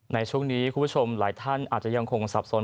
ในช่วงนี้คุณผู้ชมหลายท่านอาจจะยังคงสับสน